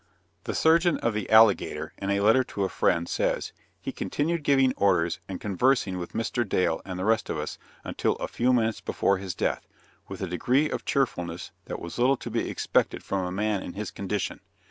The surgeon of the Alligator in a letter to a friend, says, "He continued giving orders and conversing with Mr. Dale and the rest of us, until a few minutes before his death, with a degree of cheerfulness that was little to be expected from a man in his condition.